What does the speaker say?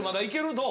どう？